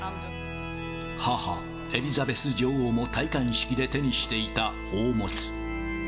母、エリザベス女王も、戴冠式で手にしていた宝物。